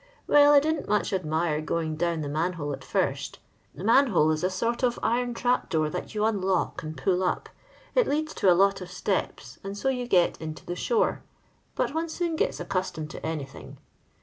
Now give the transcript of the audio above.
Well, I didn't much admin going down the man hole at first — the ' man kole' is a sort of iron trap door that you uilock lad pull up; it leads to a lot of aUym, and ao yoa get into the shore — but one toon get* aocuttomed to anything.